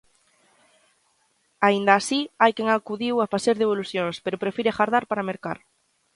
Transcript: Aínda así hai quen acudiu a facer devolucións, pero prefire agardar para mercar.